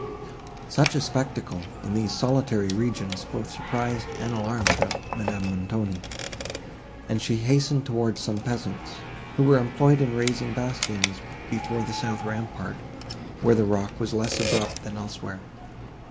Such a spectacle, in these solitary regions, both surprised and alarmed Madame Montoni, and she hastened towards some peasants, who were employed in raising bastions before the south rampart, where the rock was less abrupt than elsewhere.